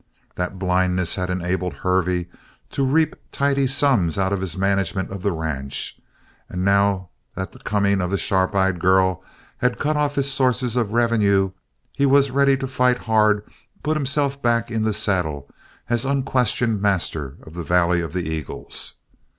That blindness had enabled Hervey to reap tidy sums out of his management of the ranch, and now that the coming of the sharp eyed girl had cut off his sources of revenue he was ready to fight hard to put himself back in the saddle as unquestioned master of the Valley of the Eagles.